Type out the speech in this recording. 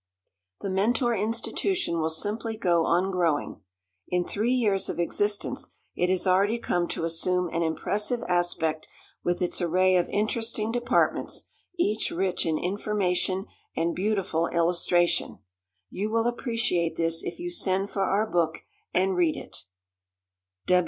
The Mentor institution will simply go on growing. In three years of existence, it has already come to assume an impressive aspect with its array of interesting departments, each rich in information and beautiful illustration. You will appreciate this if you send for our book, and read it.